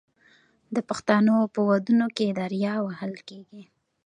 د پښتنو په ودونو کې دریا وهل کیږي.